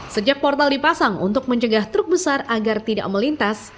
sejak portal dipasang untuk mencegah truk besar agar tidak melintas